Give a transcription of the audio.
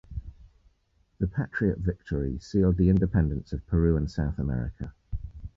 The patriot victory sealed the independence of Peru and South America.